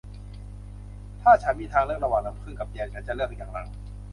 ถ้าฉันมีทางเลือกระหว่างน้ำผึ้งกับแยมฉันจะเลือกอย่างหลัง